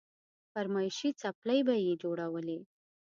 فرمايشي څپلۍ به يې جوړولې.